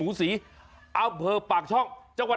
มาครั้งนี้มันจะมากินกินขนุนครับ